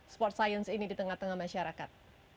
sport science ini di tengah tengah masyarakat